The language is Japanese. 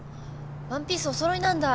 ワンピースお揃いなんだ。